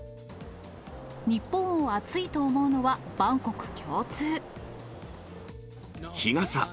日本を暑いと思うのは、日傘。